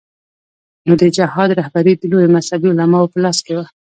نو د جهاد رهبري د لویو مذهبي علماوو په لاس کې وه.